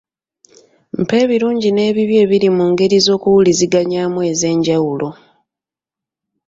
Mpa ebirungi n'ebibi ebiri mu ngeri z'okuwuliziganyamu ez'enjawulo.